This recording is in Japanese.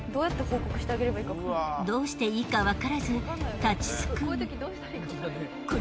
どうしていいかわからず立ちすくむ。